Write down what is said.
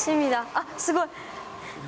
あっ、すごい。